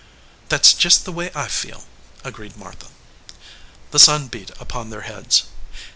"That s just the way I feel," agreed Martha. The sun beat upon their heads.